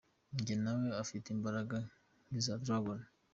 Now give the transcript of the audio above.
Njye nawe dufite imbaraga nk’iza dragon.